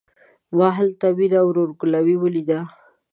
ما هلته مينه او ورور ګلوي وليده.